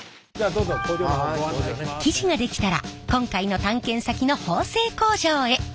生地ができたら今回の探検先の縫製工場へ。